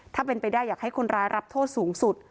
ถ้าเป็นไปได้อยากให้คนร้ายรับโทษสูงสุด